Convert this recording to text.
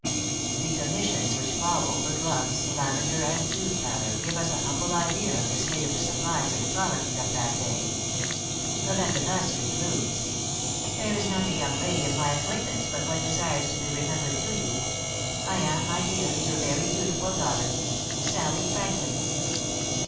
The commissions which follow for gloves, lavender, and tooth powder, give us a humble idea of the state of the supplies in the Colonies at that day. The letter thus concludes: "There is not a young lady of my acquaintance but what desires to be remembered to you. I am, my dear, your very dutiful daughter, "Sally Franklin."